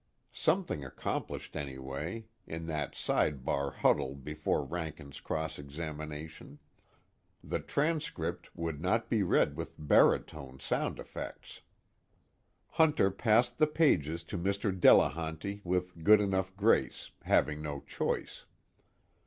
Something accomplished anyway, in that side bar huddle before Rankin's cross examination: the transcript would not be read with baritone sound effects. Hunter passed the pages to Mr. Delehanty with good enough grace, having no choice.